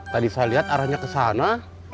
tadi saya lihat arahnya kesana